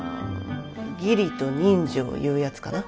義理と人情いうやつかな。